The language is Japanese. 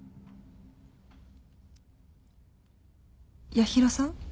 八尋さん？